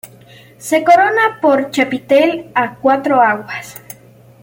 Se corona por chapitel a cuatro aguas.